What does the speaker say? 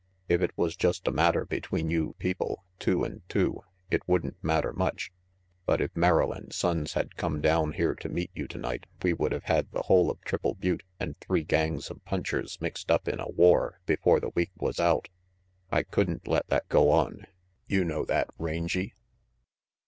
If it was just a matter between you people, two and two, it wouldn't matter much; but if Merrill and Sonnes had come down here to meet you tonight we would have had the whole of Triple Butte and three gangs of punchers mixed up in a war before the week was out. I couldn't let that go on. You know that, Rangy?"